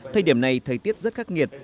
thời điểm này thời tiết rất khắc nghiệt